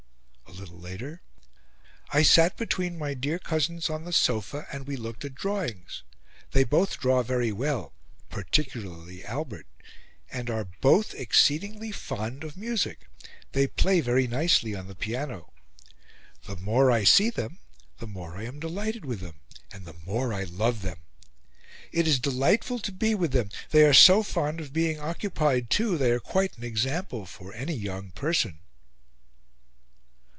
A little later, "I sat between my dear cousins on the sofa and we looked at drawings. They both draw very well, particularly Albert, and are both exceedingly fond of music; they play very nicely on the piano. The more I see them the more I am delighted with them, and the more I love them... It is delightful to be with them; they are so fond of being occupied too; they are quite an example for any young person."